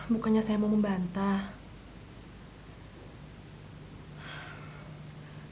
bukannya saya mau membantah